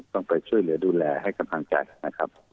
ต้องไปช่วยเหลือดูแลให้กำลังใจนะครับ